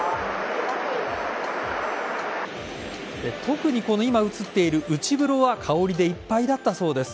特にこの今映っている内風呂は香りでいっぱいだったそうです。